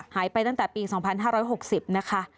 หายไปตั้งแต่ปี๒๕๖๐นะคะ